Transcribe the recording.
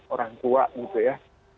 orang tua gitu ya